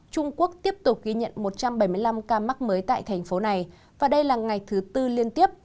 trung quốc tiếp tục ghi nhận một trăm bảy mươi năm ca mắc mới tại thành phố này và đây là ngày thứ tư liên tiếp